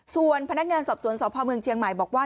ส่วนพนักงานสอบสวนสพเมืองเชียงใหม่บอกว่า